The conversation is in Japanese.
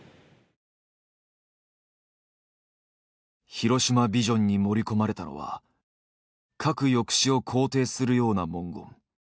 広島ビジョンに盛り込まれたのは核抑止を肯定するような文言。